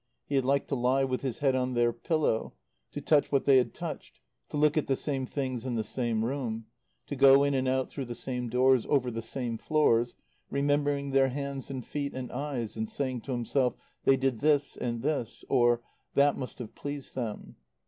He had liked to lie with his head on their pillow, to touch what they had touched, to look at the same things in the same room, to go in and out through the same doors over the same floors, remembering their hands and feet and eyes, and saying to himself: "They did this and this"; or, "That must have pleased them."